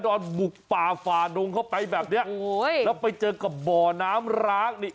อนบุกป่าฝ่าดงเข้าไปแบบเนี้ยโอ้ยแล้วไปเจอกับบ่อน้ำร้างนี่